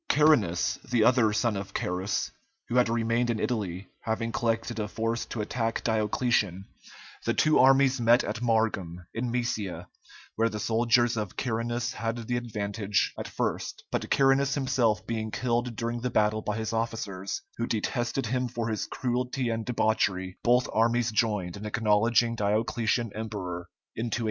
Carinus, the other son of Carus, who had remained in Italy, having collected a force to attack Diocletian, the two armies met at Margum, in Moesia, where the soldiers of Carinus had the advantage at first, but Carinus himself being killed during the battle by his officers, who detested him for his cruelty and debauchery, both armies joined in acknowledging Diocletian emperor in 285.